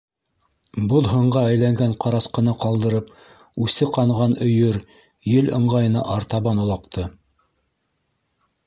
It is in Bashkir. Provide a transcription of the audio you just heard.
Боҙ һынға әйләнгән ҡарасҡыны ҡалдырып, үсе ҡанған өйөр ел ыңғайына артабан олаҡты.